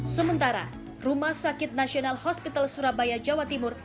sementara rumah sakit nasional hospital surabaya jawa timur